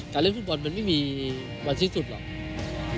การเล่นฟุตบอลมันไม่มีวันที่สุดหรอก